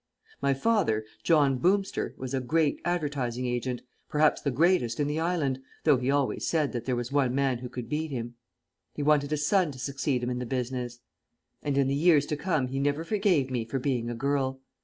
My father, John Boomster, was a great advertising agent, perhaps the greatest in the island, though he always said that there was one man who could beat him. He wanted a son to succeed him in the business, and in the years to come he never forgave me for being a girl.